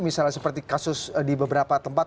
misalnya seperti kasus di beberapa tempat